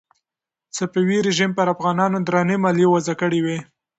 صفوي رژیم پر افغانانو درنې مالیې وضع کړې وې.